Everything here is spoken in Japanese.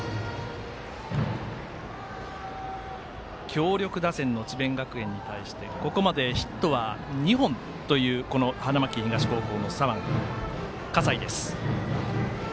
強力打線の智弁学園に対してここまでヒットは２本という花巻東高校の左腕、葛西です。